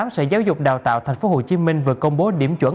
sở giáo dục đào tạo tp hcm vừa công bố điểm chuẩn